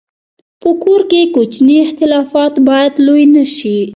په کور کې کوچني اختلافات باید لوی نه شي.